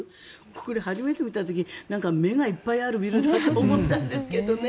ここで初めて見た時に目がいっぱいあるビルだと思ったんですけどね。